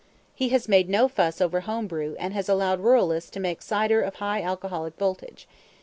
He has made no fuss over home brew and has allowed ruralists to make cider of high alcoholic voltage.